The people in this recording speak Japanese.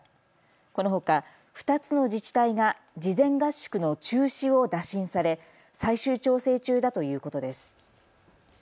このほか２つの自治体が事前合宿の中止を打診され最終調整中だということです。